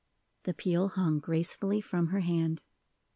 The peel hung gracefully from her hand.